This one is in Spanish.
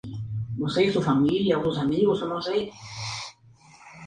Si bien tiene diferentes niveles de aceptación en las diferentes culturas.